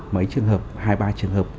mấy trường hợp hai ba trường hợp